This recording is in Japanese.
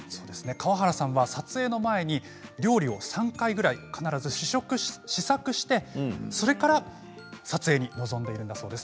川原さんは撮影の前に料理を３回くらい試作してそれから撮影に臨んでいるんだそうです。